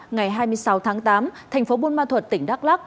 ngày hai mươi sáu tháng tám thành phố bôn ma thuật tỉnh đắk lắk